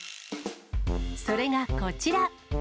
それがこちら。